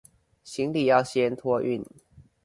行李要先托運